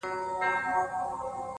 په سونډو کي چي ولگېدی زوز په سجده کي